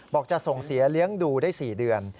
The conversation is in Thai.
จะส่งเสียเลี้ยงดูได้๔เดือน